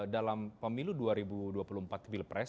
dalam pemilu dua ribu dua puluh empat bill press